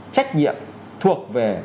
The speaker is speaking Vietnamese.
trách nhiệm thuộc về